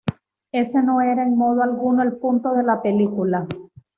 Ese no era en modo alguno el punto de la película.